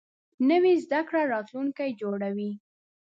نوې زده کړه راتلونکی جوړوي